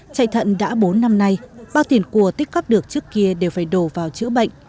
chạy thận đã bốn năm nay bao tiền cua tích cấp được trước kia đều phải đổ vào chữa bệnh